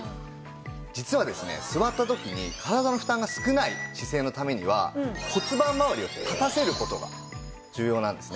実はですね座った時に体の負担が少ない姿勢のためには骨盤まわりを立たせる事が重要なんですね。